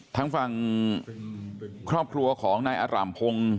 ทางฝั่งครอบครัวของนายอร่ามพงศ์